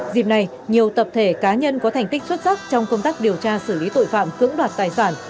dịp này nhiều tập thể cá nhân có thành tích xuất sắc trong công tác điều tra xử lý tội phạm cưỡng đoạt tài sản